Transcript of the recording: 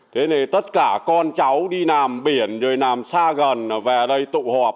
tất cả con cháu đi nằm biển rồi nằm xa gần về đây tụ họp